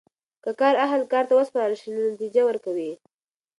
که کار اهل کار ته وسپارل سي نو نتیجه ورکوي.